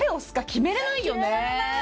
決められない！